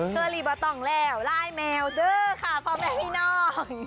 เคอรี่มาต้องแล้วไลน์แมวเด้อค่ะพร้อมแหละพี่น้อง